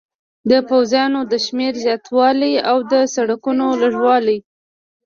د پوځیانو د شمېر زیاتوالی او د سړکونو لږوالی.